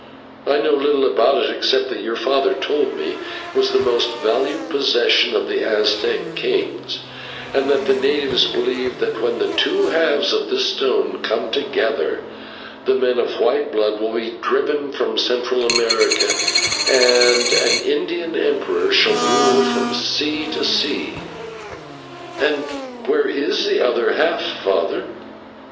I know little about it, except that your father told me it was the most valued possession of the Aztec kings, and that the natives believe that when the two halves of this stone come together, the men of white blood will be driven from Central America and an Indian emperor shall rule from sea to sea." "And where is the other half, father?"